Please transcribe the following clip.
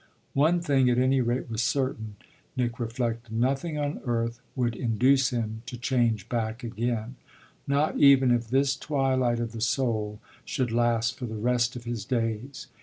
One thing at any rate was certain, Nick reflected: nothing on earth would induce him to change back again not even if this twilight of the soul should last for the rest of his days.